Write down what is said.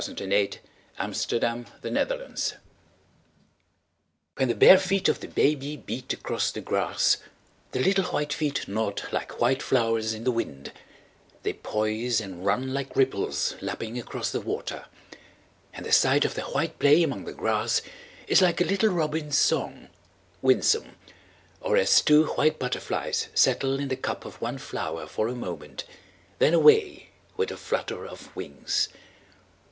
Amores. 1916. 14. A Baby Running Barefoot WHEN the bare feet of the baby beat across the grassThe little white feet nod like white flowers in the wind, They poise and run like ripples lapping across the water; And the sight of their white play among the grassIs like a little robin's song, winsome, Or as two white butterflies settle in the cup of one flowerFor a moment, then away with a flutter of wings.